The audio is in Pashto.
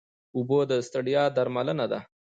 اوبه د ستړیا درملنه ده